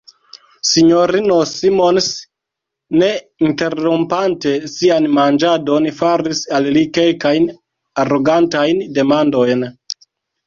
S-ino Simons, ne interrompante sian manĝadon, faris al li kelkajn arogantajn demandojn.